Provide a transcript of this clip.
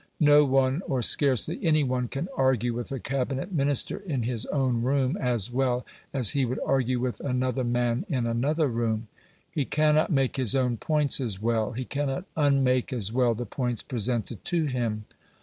No one, or scarcely any one, can argue with a Cabinet Minister in his own room as well as he would argue with another man in another room. He cannot make his own points as well; he cannot unmake as well the points presented to him.